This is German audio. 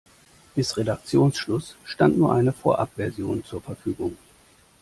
Bis Redaktionsschluss stand nur eine Vorabversion zur Verfügung.